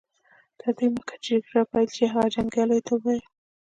تر دې مخکې چې جګړه پيل شي هغه جنګياليو ته وويل.